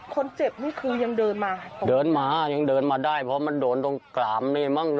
นี่คือยังเดินมาเดินมายังเดินมาได้เพราะมันโดนตรงกรามนี่มั้ง